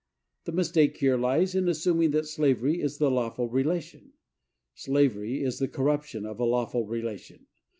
The mistake here lies in assuming that slavery is the lawful relation. Slavery is the corruption of a lawful relation.